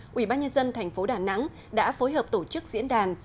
quỹ bác nhân dân tp đà nẵng đã phối hợp tổ chức diễn đàn